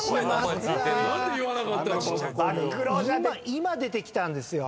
今出てきたんですよ。